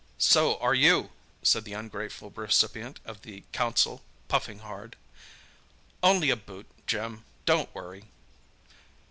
"So are you!" said the ungrateful recipient of the counsel, puffing hard. "Only a boot, Jim—don't worry!"